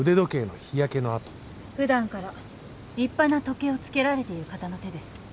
普段から立派な時計をつけられている方の手です。